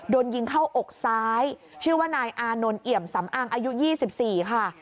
โดนยิงเข้าอกซ้ายชื่อว่านายอานนท์เอี่ยมสำอางอายุ๒๔ค่ะ